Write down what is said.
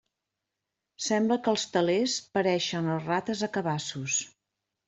Sembla que els telers pareixen les rates a cabassos.